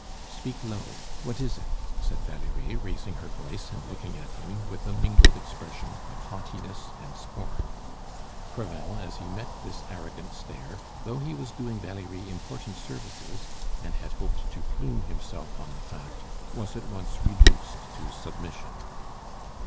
"Speak low. What is it?" said Valerie, raising her voice, and looking at him with a mingled expression of haughtiness and scorn. Crevel, as he met this arrogant stare, though he was doing Valerie important services, and had hoped to plume himself on the fact, was at once reduced to submission.